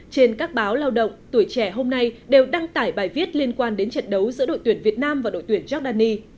trên các báo lao động tuổi trẻ hôm nay đều đăng tải bài viết liên quan đến trận đấu giữa đội tuyển việt nam và đội tuyển jordani